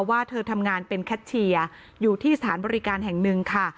ว่าเธอทำงานเป็นแคทเชียร์อยู่ที่สถานบริการแห่งหนึ่งค่ะ